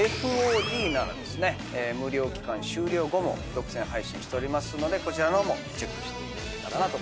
ＦＯＤならですね無料期間終了後も独占配信してますのでこちらもチェックしていただけたらなと。